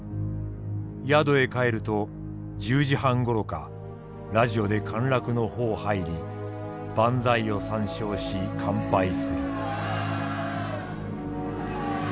宿へ帰ると１０時半ごろかラジオで陥落の報入り万歳を三唱し乾杯する」。